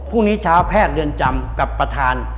พรุ่งนี้เช้าแพทย์เรือนจำกับประธาน